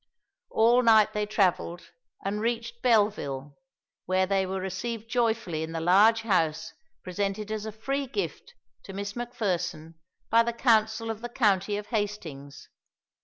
All night they travelled, and reached Belleville, where they were received joyfully in the large house presented as a free gift to Miss Macpherson by the Council of the County of Hastings.